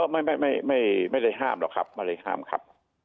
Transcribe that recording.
ไม่ไม่ไม่ไม่ได้ห้ามหรอกครับไม่ได้ห้ามครับ